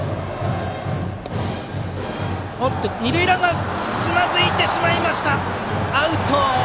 二塁ランナーつまずいてしまってアウト！